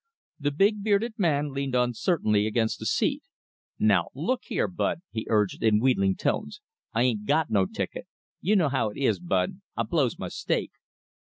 The big bearded man leaned uncertainly against the seat. "Now look here, Bud," he urged in wheedling tones, "I ain't got no ticket. You know how it is, Bud. I blows my stake."